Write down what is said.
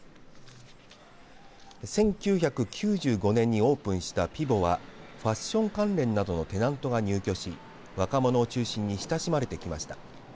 １９９５年にオープンしたピヴォはファッション関連などのテナントが入居し若者を中心に親しまれてきました。